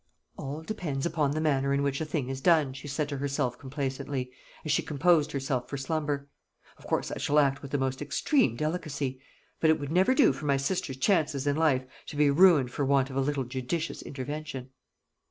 "All depends upon the manner in which a thing is done," she said to herself complacently, as she composed herself for slumber; "of course I shall act with the most extreme delicacy. But it would never do for my sister's chances in life to be ruined for want of a little judicious intervention."